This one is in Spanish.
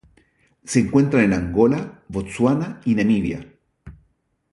Se encuentra en Angola, Botsuana y Namibia.